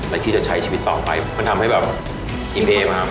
และที่จะใช้ชีวิตต่อไปมันทำให้อิปเทมาก